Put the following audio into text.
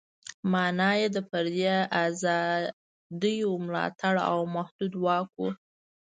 معنا یې د فردي ازادیو ملاتړ او محدود واک و.